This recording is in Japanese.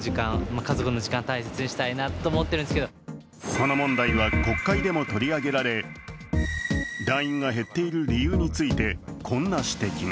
この問題は国会でも取り上げられ、団員が減っている理由についてこんな指摘が。